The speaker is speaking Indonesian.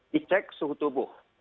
dicek suhu tubuh